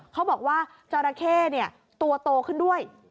เขาบอกว่าจราเข้ตัวโตขึ้นด้วย